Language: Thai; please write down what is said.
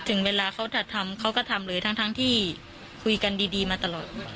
ถึงเวลาเขาจะทำเขาก็ทำเลยทั้งที่คุยกันดีมาตลอด